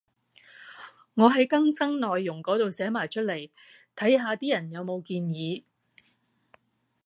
我喺更新內容嗰度寫埋出嚟，睇下啲人有冇建議